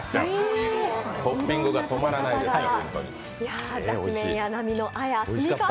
トッピングが止まらないですから。